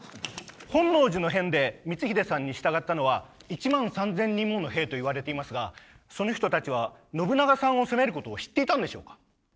本能寺の変で光秀さんに従ったのは１万３，０００人もの兵といわれていますがその人たちは信長さんを攻めることを知っていたんでしょうか？